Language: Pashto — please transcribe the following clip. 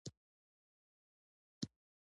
چې خسر مې نه وي ښه.